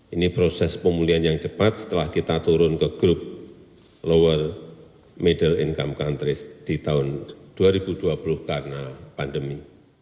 ini proses pemulihan yang cepat setelah kita turun ke grup lower middle income countries di tahun dua ribu dua puluh karena pandemi